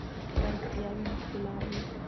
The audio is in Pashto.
که رښتیا وي نو ښکلا وي.